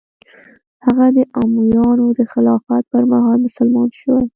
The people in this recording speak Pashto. هغه د امویانو د خلافت پر مهال مسلمان شوی.